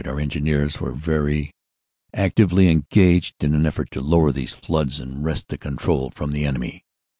Our Engineers were very actively engaged in an effort to lower these floods and wrest the control from the enemy.